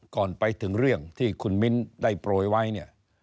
ก่อนไปถึงเรื่องที่คุณมิ้นได้โปรยไว้เนี่ย